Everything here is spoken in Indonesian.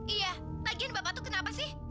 iya lagian bapak itu kenapa sih